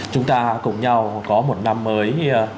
chúng ta cùng nhau có một năm mới